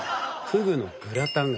ふぐのグラタン。